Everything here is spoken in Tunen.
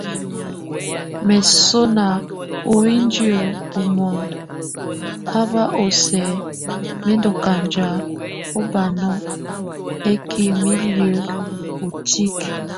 Mesona ó windi ó mon ábʼ o sɛk mɛ́ ndokanjak obano, ɛ́kɛ mí liek, o tíke.